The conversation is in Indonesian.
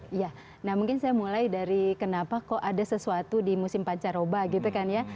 iya nah mungkin saya mulai dari kenapa kok ada sesuatu di musim pancaroba gitu kan ya